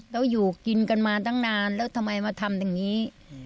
แล้วอยู่กินกันมาตั้งนานแล้วทำไมมาทำอย่างนี้